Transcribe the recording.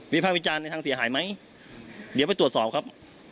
ภาควิจารณ์ในทางเสียหายไหมเดี๋ยวไปตรวจสอบครับ